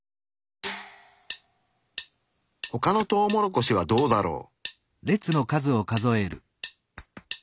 ほかのトウモロコシはどうだろう？